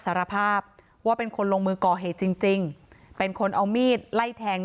สารภาพว่าเป็นคนลงมือก่อเหตุจริงจริงเป็นคนเอามีดไล่แทง